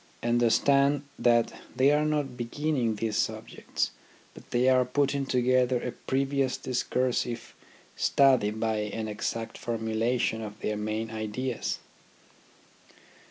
Understand that they are not beginning these subjects, but they are putting together a previous discursive study by an exact formulation of their main ideas.